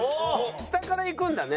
下からいくんだね。